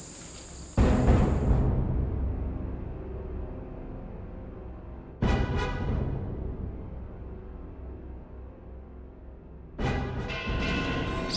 tidak ada apa apa